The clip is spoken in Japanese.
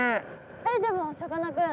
えでもさかなクン。